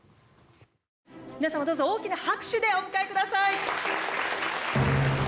皆様、どうぞ大きな拍手でお迎えください。